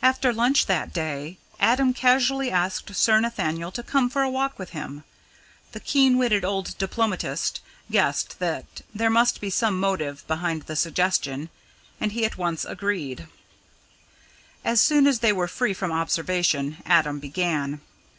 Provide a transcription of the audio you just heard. After lunch that day, Adam casually asked Sir Nathaniel to come for a walk with him. The keen witted old diplomatist guessed that there must be some motive behind the suggestion, and he at once agreed. As soon as they were free from observation, Adam began.